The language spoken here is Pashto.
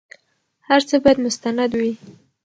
هر څه بايد مستند وي.